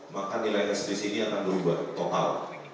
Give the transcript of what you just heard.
maka nilai hes di sini akan berubah total